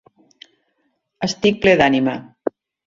Estic ple d'ànima.